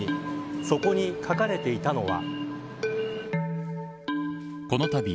そこに書かれていたのは。